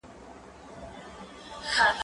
زه سبا لپاره پلان جوړ کړی دی